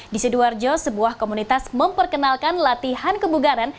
di sidoarjo sebuah komunitas memperkenalkan latihan kebugaran